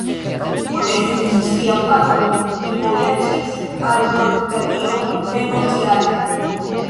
Kune kun sia patro, li vojaĝis al Portugalio venontjare.